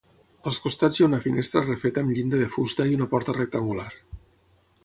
Als costats hi ha una finestra refeta amb llinda de fusta i una porta rectangular.